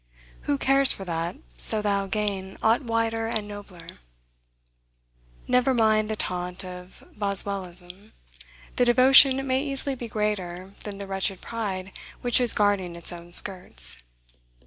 Who cares for that, so thou gain aught wider and nobler? Never mind the taunt of Boswellism: the devotion may easily be greater than the wretched pride which is guarding its own skirts.